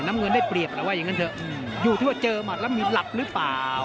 น้ำเงินได้เปรียบแต่ว่าอย่างนั้นเถอะอยู่ที่ว่าเจอหมัดแล้วมีหลับหรือเปล่า